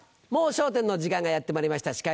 『もう笑点』の時間がやってまいりました。